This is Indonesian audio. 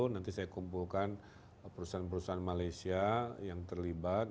nanti saya kumpulkan perusahaan perusahaan malaysia yang terlibat